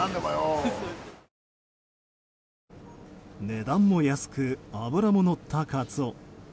値段も安く脂ものったカツオ。